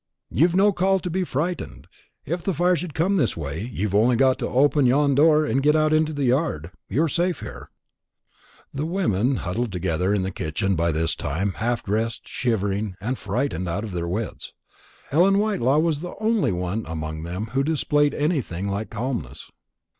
You've no call to be frightened. If the fire should come this way, you've only got to open yon door and get out into the yard. You're safe here." The women were all huddled together in the kitchen by this time, half dressed, shivering, and frightened out of their wits. Ellen Whitelaw was the only one among them who displayed anything like calmness.